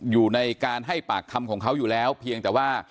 อยู่ในการให้ปากคำของเขาอยู่แล้วเพียงแต่ว่า